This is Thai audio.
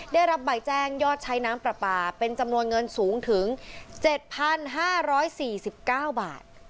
ได้รับใบแจ้งยอดใช้น้ำปลาปลาเป็นจำนวนเงินสูงถึง๗๕๔๙บาท